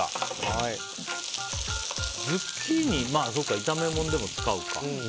ズッキーニ炒めものでも使うか。